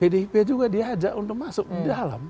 dia juga diajak untuk masuk ke dalam